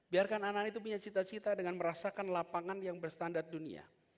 biarkan anak anak itu punya cita cita dengan merasakan lapangan yang berstandar dunia